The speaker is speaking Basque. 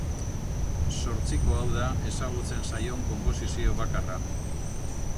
Zortziko hau da ezagutzen zaion konposizio bakarra.